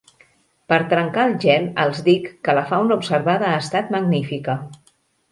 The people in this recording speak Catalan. Per trencar el gel, els dic que la fauna observada ha estat magnífica.